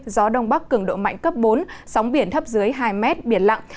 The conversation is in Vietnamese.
gió đông bắc cường độ mạnh cấp bốn sóng biển thấp dưới hai mét biển lặng